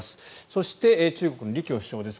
そして、中国の李強首相です。